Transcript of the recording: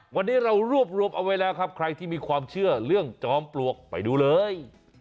วันนี้เรารวบรวมเอาไว้แล้วครับใครที่มีความเชื่อเรื่องจอมปลวกไปดูเลย